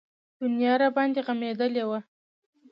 دنيا راباندې غمېدلې وه.